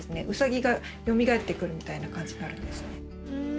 ウサギがよみがえってくるみたいな感じになるんですね。